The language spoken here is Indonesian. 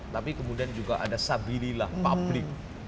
tapi kemudian juga ada sabi lilah public